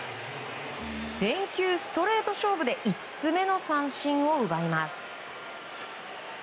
全球ストレート勝負で５つ目の三振を奪います。